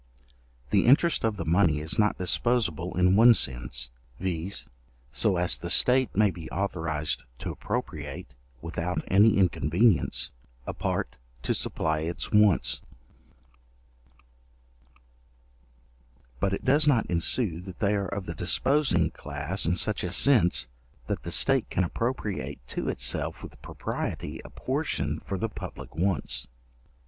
The interest of the money is not disposable in one sense, viz. so as the state may be authorized to appropriate, without any inconvenience, a part to supply its wants. But it does not ensue that they are of the disposing class in such a sense, that the state can appropriate to itself with propriety a portion for the public wants.